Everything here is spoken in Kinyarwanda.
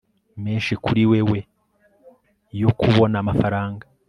menshi kuri wewe yo kubona amafaranga